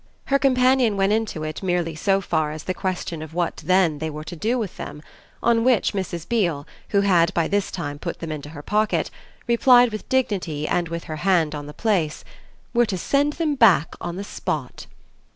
Her companion went into it merely so far as the question of what then they were to do with them; on which Mrs. Beale, who had by this time put them into her pocket, replied with dignity and with her hand on the place: "We're to send them back on the spot!"